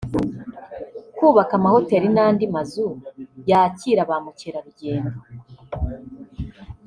kubaka amahoteli n’andi mazu yakira ba mukerarugendo